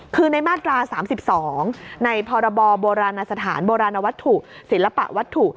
คือในมาตรา๓๒ในพรบโบราณสถานโบราณวัตถุศิลปะวัตถุ